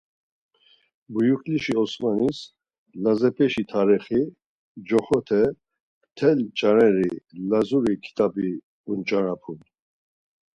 Buyuklişi Osmanis “Lazepeşi Tarixi” coxote mtel ç̌areri Lazuri kitabi uç̌arapun.